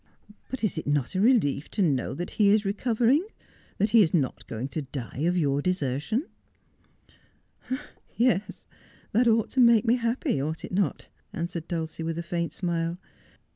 ' But is it not a relief to know that he is recovering, that he is not going to die of your desertion 1 '' Yes, that ought to make me happy, ought it not ?' answered Dulcie, with a faint smile.